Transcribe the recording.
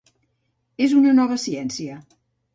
És una nova ciència.